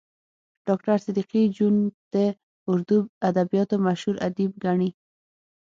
ډاکټر صدیقي جون د اردو ادبياتو مشهور ادیب ګڼي